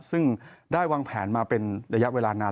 ซึ่งได้วางแผนมาเป็นระยะเวลานาน